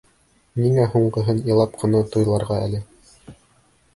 Ниңә һуңғыһын илап ҡына туйларға әле?